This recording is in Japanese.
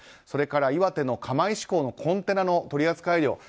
それから岩手の釜石港のコンテナの取扱量。